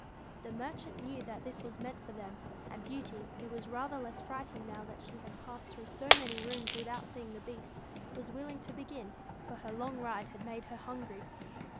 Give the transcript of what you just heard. The merchant knew that this was meant for them ; and Beauty, who was rather less frightened now that she had passed through so many rooms with out seeing the Beast, was willing to begin, for her long ride had made her hungry.